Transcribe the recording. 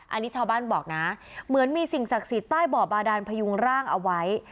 อันนี้ชาวบ้านบอกนะเหมือนมีสิ่งศักดิ์สิทธิ์ใต้บ่อบาดานพยุงร่างเอาไว้